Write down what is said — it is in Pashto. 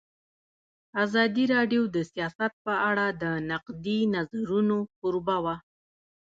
ازادي راډیو د سیاست په اړه د نقدي نظرونو کوربه وه.